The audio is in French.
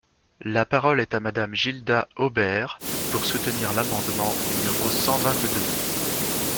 La parole est à Madame Gilda Hobert, pour soutenir l’amendement numéro cent vingt-deux.